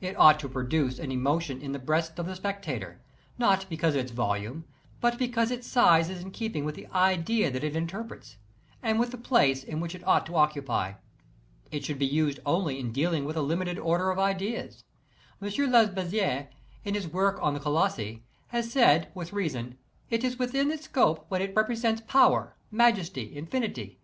It ought to produce an emotion in the breast of the spectator, not because of its volume, but because its size is in keeping with the idea that it inter prets, and with the place which it ought to occupy. It should be used only in dealing with a limited order of ideas. M. Lesbazeilles, in his work on the Colossi, has said with reason: It is within its scope when it repre sents power, majesty, infinity.